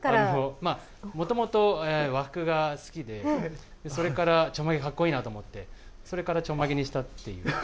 もともと和服が好きで、それから、ちょんまげかっこいいなと思って、それからちょんまげにしたっていう。